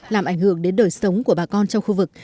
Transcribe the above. làm ảnh hưởng đến đời sống của bà con trong khu vực